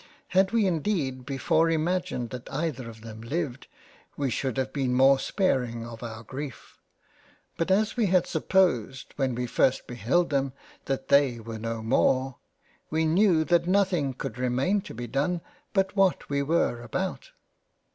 Had we indeed before imagined that either of them lived, we should have been more sparing of our Greif — but as we had sup posed when we first beheld them that they were no more, we knew that nothing could remain to be done but what we were about.